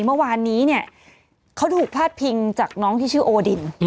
เมื่อวานนี้เนี่ยเขาถูกพาดพิงจากน้องที่ชื่อโอดิน